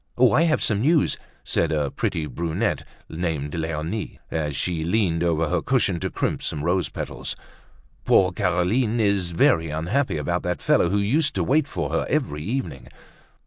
"Oh, I have some news," said a pretty brunette named Leonie as she leaned over her cushion to crimp some rose petals. "Poor Caroline is very unhappy about that fellow who used to wait for her every evening."